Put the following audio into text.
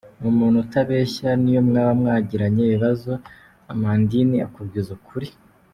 Ni umuntu utabeshya n’iyo mwaba mwagiranye ibibazo Amandine akubwiza ukuri.